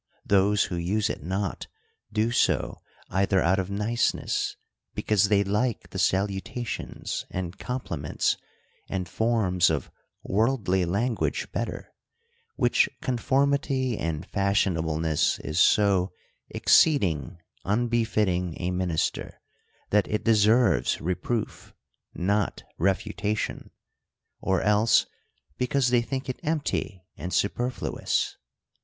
Those who use it not, do so either out of niceness, because they like the salutations, and com 82 THE COUNTRY PARSON. pliments, and forms of worldly language better ;— which conformity and fashionableness is so exceeding unbefitting a minister, that it deserves reproof, not refu tation ;— or else, because they think it empty and super fluous.